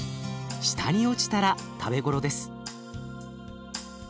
下に落ちたら食べ頃です。